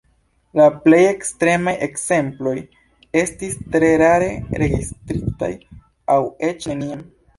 La plej ekstremaj ekzemploj estis tre rare registritaj aŭ eĉ neniam.